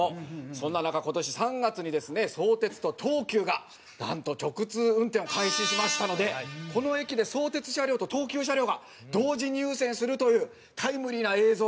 そんな中今年３月にですね相鉄と東急がなんと直通運転を開始しましたのでこの駅で相鉄車両と東急車両が同時入線するというタイムリーな映像が。